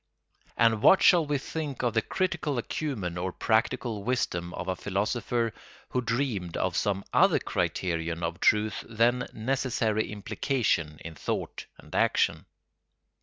And what shall we think of the critical acumen or practical wisdom of a philosopher who dreamed of some other criterion of truth than necessary implication in thought and action?